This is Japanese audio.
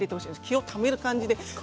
気をためる感じです。